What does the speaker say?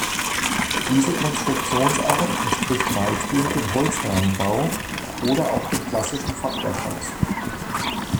Diese Konstruktionsart entspricht weitgehend dem Holzrahmenbau oder auch dem klassischen Fachwerkhaus.